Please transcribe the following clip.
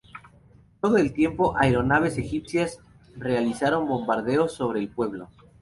Todo el tiempo, aeronaves egipcias realizaron bombardeos sobre el pueblo.